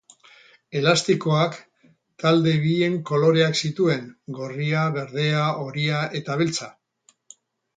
Elastikoak talde bien koloreak zituen, gorria, berdea, horia eta beltza.